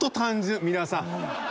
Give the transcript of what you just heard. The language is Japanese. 皆さん。